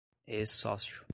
ex-sócio